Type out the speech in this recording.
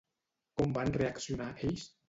Com van reaccionar ells?